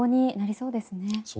そうですね。